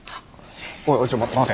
おいちょっ待て。